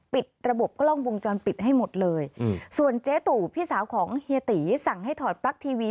ปิดระบบกล้องวงจรปิดให้หมดเลยอืมส่วนเจ๊ตู่พี่สาวของเฮียตีสั่งให้ถอดปลั๊กทีวี